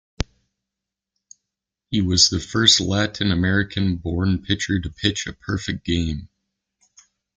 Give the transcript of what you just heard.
He was the first Latin American-born pitcher to pitch a perfect game.